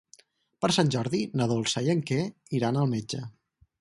Per Sant Jordi na Dolça i en Quer iran al metge.